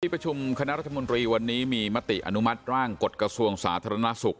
ประชุมคณะรัฐมนตรีวันนี้มีมติอนุมัติร่างกฎกระทรวงสาธารณสุข